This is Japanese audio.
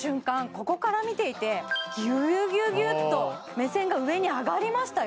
ここから見ていてギュギュギュギュッと目線が上に上がりましたよ